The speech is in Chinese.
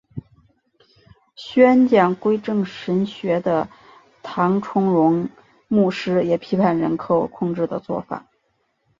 宣讲归正神学的唐崇荣牧师也批判人口控制的做法。